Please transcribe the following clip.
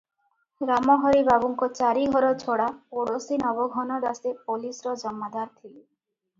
ରାମହରି ବାବୁଙ୍କ ଚାରି ଘର ଛଡ଼ା ପଡ଼ୋଶୀ ନବଘନ ଦାସେ ପୋଲିସର ଜମାଦାର ଥିଲେ ।